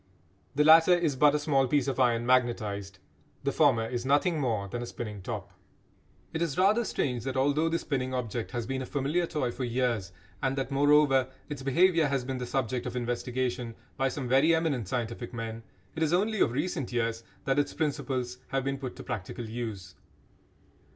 The latter is but a small piece of iron magnetised; the former is nothing more than a spinning top. It is rather strange that although the spinning object has been a familiar toy for years, and that, moreover, its behaviour has been the subject of investigation by some very eminent scientific men, it is only of recent years that its principles have been put to practical use.